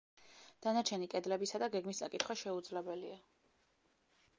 დანარჩენი კედლებისა და გეგმის წაკითხვა შეუძლებელია.